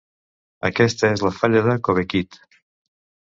Aquesta és la falla de Cobequid.